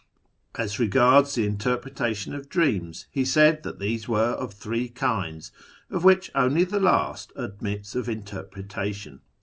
As regards the interpreta on of dreams, he said that these were of three kinds, of hich only the last admits of interpretation.